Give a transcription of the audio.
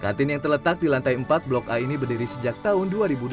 kantin yang terletak di lantai empat blok a ini berdiri sejak tahun dua ribu dua belas